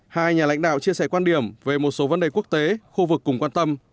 hai nhà lãnh đạo chia sẻ quan điểm về một số vấn đề quốc tế khu vực cùng quan tâm